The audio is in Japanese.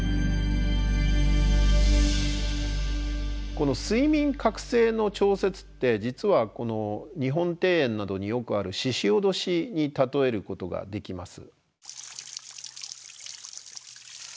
この睡眠覚醒の調節って実はこの日本庭園などによくあるししおどしに例えることができます。